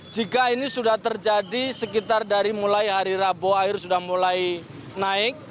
jika ini sudah terjadi sekitar dari mulai hari rabu air sudah mulai naik